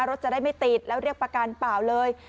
รถจะได้ไม่ติดแล้วเรียกประกันเปล่าเลย